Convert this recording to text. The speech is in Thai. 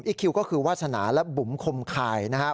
อีกคิวก็คือวาสนาและบุ๋มคมคายนะครับ